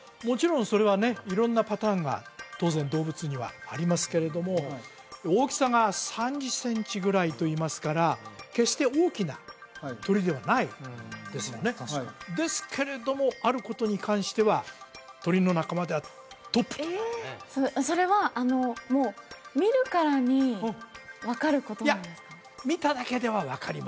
もちろんそれはね色んなパターンが当然動物にはありますけれども大きさが３０センチぐらいといいますから決して大きな鳥ではないんですよねですけれどもあることに関しては鳥の仲間ではトップとそれはもう見るからに分かることなんですか？